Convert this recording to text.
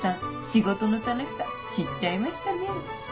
仕事の楽しさ知っちゃいましたね。